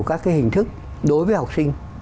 các cái hình thức đối với học sinh